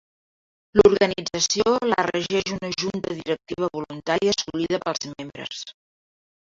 L'organització la regeix una junta directiva voluntària escollida pels membres.